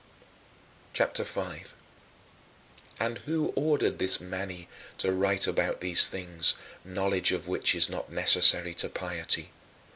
" CHAPTER V 8. And who ordered this Mani to write about these things, knowledge of which is not necessary to piety?